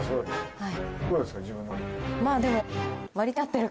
はい。